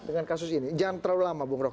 dengan kasus ini jangan terlalu lama bung roky